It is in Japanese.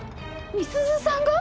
美鈴さんが？